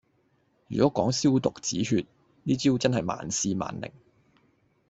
如果講消毒止血，呢招真係萬試萬靈